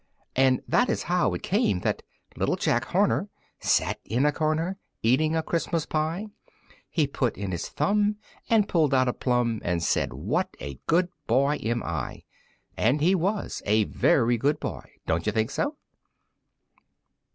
And this was how it came that "Little Jack Horner sat in a corner Eating a Christmas pie; He put in his thumb and pulled out a plum, And said, 'What a good boy am I!'" And he was a very good boy. Don't you think so?